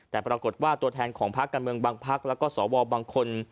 แต่ปรากฎว่าตัวแทนของภาคการเมืองบ้างภาคแล้วก็สอวอลบางคน